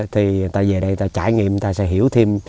thì người ta về đây trải nghiệm người ta sẽ hiểu thêm